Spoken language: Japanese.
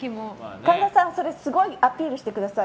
神田さんそれすごいアピールしてください。